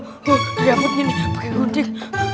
oh wil rambutnya ini pakai gudil